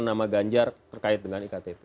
nama ganjar terkait dengan iktp